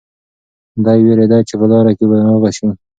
دی وېرېده چې په لاره کې به ناروغه شي.